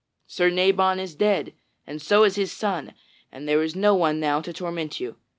Sir Nabon is dead, and so is his son, and there is no one now to torment you.